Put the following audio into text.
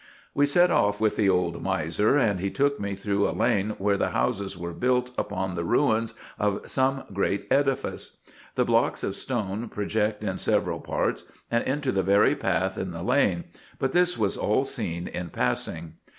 We set off with the old miser, and he took me through a lane where the houses were built upon the ruins of some great edifice. The blocks of stone project in several parts, and into the very path in the lane : but this was all seen in passing.